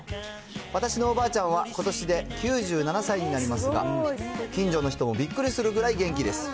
私のおばあちゃんはことしで９７歳になりますが、近所の人もびっくりするぐらい元気です。